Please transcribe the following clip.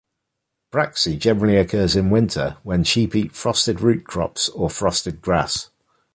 Braxy generallly occurs in winter, when sheep eat frosted root crops, or frosted grass.